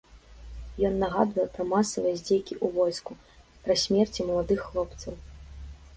Ён нагадвае пра масавыя здзекі ў войску, пра смерці маладых хлопцаў.